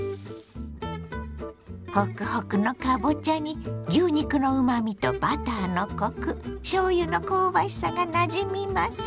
ホクホクのかぼちゃに牛肉のうまみとバターのコクしょうゆの香ばしさがなじみます。